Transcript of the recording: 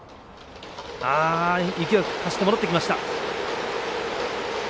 勢いよく走って戻ってきました。